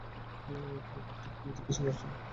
তোমাকে ঠিক কী জিজ্ঞাসা করেছিল?